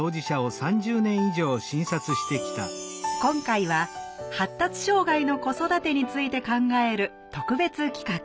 今回は発達障害の子育てについて考える特別企画。